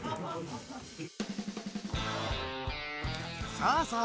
さあさあ